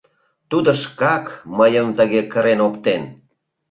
— Тудо шкак мыйым тыге кырен оптен.